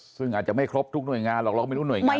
ซึ่งอาจจะไม่ครบทุกหน่วยงานหรอกเราก็ไม่รู้หน่วยงาน